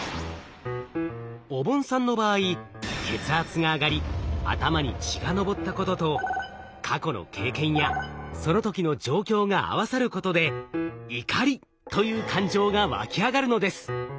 おぼんさんの場合血圧が上がり頭に血がのぼったことと過去の経験やその時の状況が合わさることで「怒り」という感情がわき上がるのです。